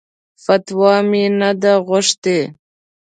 فتوا مې نه ده غوښتې.